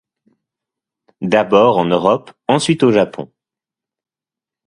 D'abord en Europe, ensuite au Japon.